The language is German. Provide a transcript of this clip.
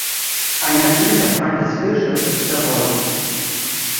Ein natürlicher Feind des Hirsches ist der Wolf.